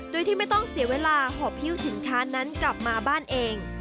โดยที่ไม่ต้องเสียเวลาหอบหิ้วสินค้านั้นกลับมาบ้านเอง